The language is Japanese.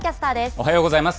おはようございます。